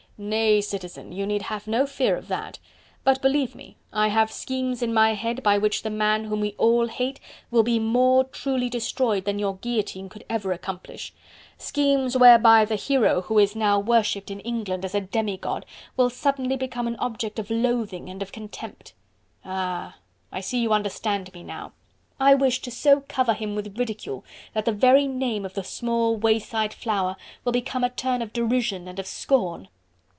"Nay, Citizen, you need have no fear of that. But believe me, I have schemes in my head by which the man whom we all hate will be more truly destroyed than your guillotine could ever accomplish: schemes, whereby the hero who is now worshipped in England as a demi god will suddenly become an object of loathing and of contempt.... Ah! I see you understand me now... I wish to so cover him with ridicule that the very name of the small wayside flower will become a term of derision and of scorn.